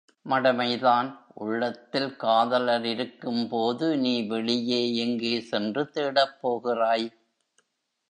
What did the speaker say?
மடமைதான். உள்ளத்தில் காதலர் இருக்கும்போது நீ வெளியே எங்கே சென்று தேடப்போகிறாய்?